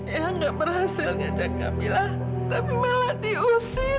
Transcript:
ayang nggak berhasil ngajak kamila tapi malah diusir